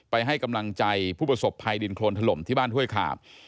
ไปให้กำลังใจพูดพฤศพไทยดินโครนทรลมที่บ้านถ้วยขาบ